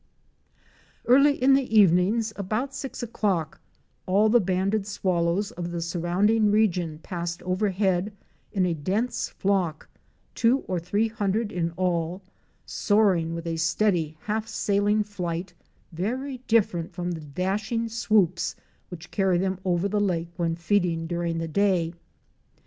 Early in the evenings, about six o'clock, all the Banded Swal lows '* of the surrounding region passed overhead in a dense flock, two or three hundred in all, soaring with a steady, half sailing flight very different from the dashing swoops which carry them over the lake when feeding during the day.